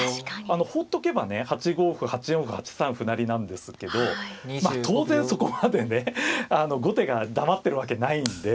放っとけばね８五歩８四歩８三歩成なんですけどまあ当然そこまでね後手が黙ってるわけないんで。